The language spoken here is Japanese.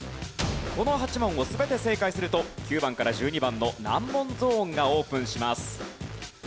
この８問を全て正解すると９番から１２番の難問ゾーンがオープンします。